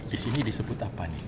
disini disebut apa nih